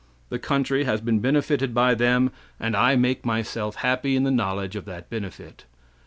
The country has been benefited by them, and I make myself happy in the knowledge of that benefit.